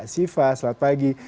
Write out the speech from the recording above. siva selamat pagi